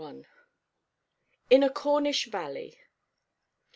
IN A CORNISH VALLEY.